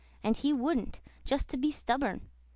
And he wouldn't, just to be stubborn.